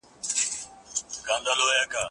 زه له سهاره ښوونځی ځم؟!